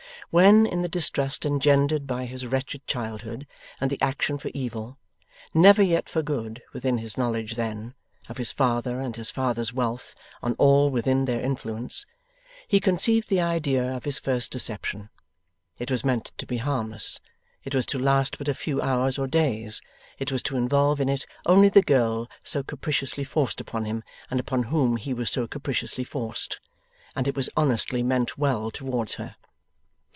When in the distrust engendered by his wretched childhood and the action for evil never yet for good within his knowledge then of his father and his father's wealth on all within their influence, he conceived the idea of his first deception, it was meant to be harmless, it was to last but a few hours or days, it was to involve in it only the girl so capriciously forced upon him and upon whom he was so capriciously forced, and it was honestly meant well towards her.